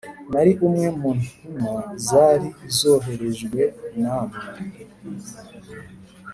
nari umwe mu ntumwa zari zoherejwe n'ammwe